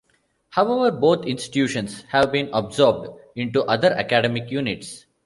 However, both institutions have been absorbed into other academic units.